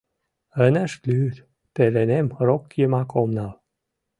Ынышт лӱд — пеленем рок йымак ом нал...